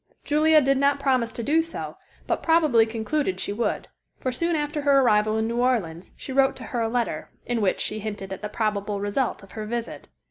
Julia did not promise to do so, but probably concluded she would, for soon after her arrival in New Orleans she wrote to her a letter, in which she hinted at the probable result of her visit.